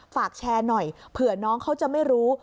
ฝากแชร์หน่อยเผื่อน้องเขาจะไม่รู้